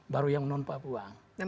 baru yang non papua